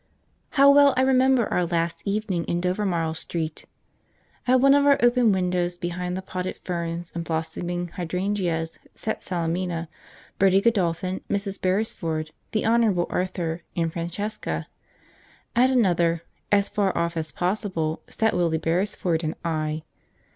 How well I remember our last evening in Dovermarle Street! At one of our open windows behind the potted ferns and blossoming hydrangeas sat Salemina, Bertie Godolphin, Mrs. Beresford, the Honourable Arthur, and Francesca; at another, as far off as possible, sat Willie Beresford and I.